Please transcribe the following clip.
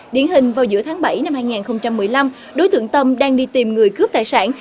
điển hình vào giữa tháng bảy năm hai nghìn một mươi năm đối tượng tâm đang đi tìm người cướp tài sản